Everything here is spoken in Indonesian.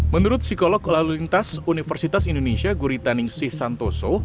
menurut psikolog lalu lintas universitas indonesia guri taningsih santoso